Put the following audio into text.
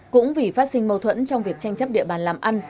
cũng vì phát sinh mâu thuẫn trong việc tranh chấp địa bàn làm ăn